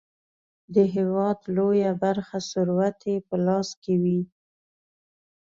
د هیواد لویه برخه ثروت یې په لاس کې وي.